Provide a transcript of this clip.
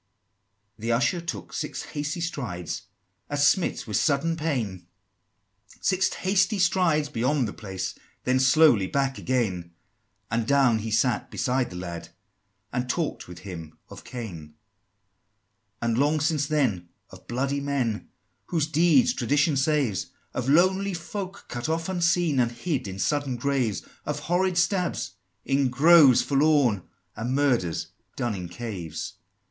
'" IX. The Usher took six hasty strides, As smit with sudden pain, Six hasty strides beyond the place, Then slowly back again; And down he sat beside the lad, And talk'd with him of Cain; X. And, long since then, of bloody men, Whose deeds tradition saves; Of lonely folk cut off unseen, And hid in sudden graves; Of horrid stabs, in groves forlorn, And murders done in caves; XI.